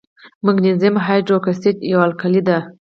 مګنیزیم هایدروکساید یوه القلي ده.